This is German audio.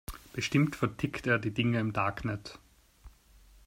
Bestimmt vertickt er die Dinger im Darknet.